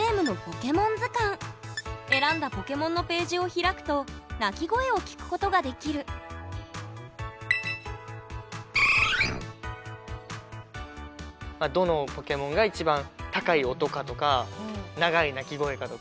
選んだポケモンのページを開くとどのポケモンが一番高い音かとか長い鳴き声かとか